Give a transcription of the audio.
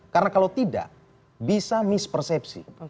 karena kalau tidak bisa mispersepsi